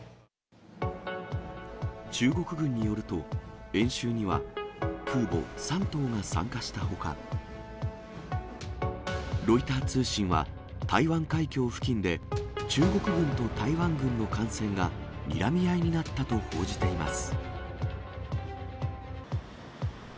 中国軍によると、演習には、空母山東が参加したほか、ロイター通信は、台湾海峡付近で中国軍と台湾軍の艦船が、にらみ合いになったと報じています。